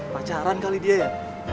pacaran kali dia ya